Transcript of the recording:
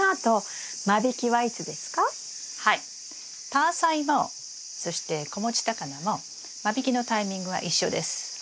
タアサイもそして子持ちタカナも間引きのタイミングは一緒ですはい。